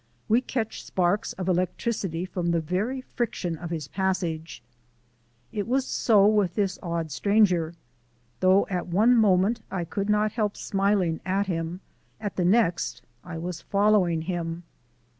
We catch sparks of electricity from the very friction of his passage. It was so with this odd stranger. Though at one moment I could not help smiling at him, at the next I was following him.